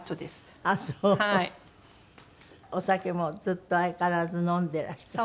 お酒もずっと相変わらず飲んでいらして。